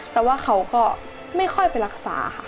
แต่ว่าเขาก็ไม่ค่อยไปรักษาค่ะ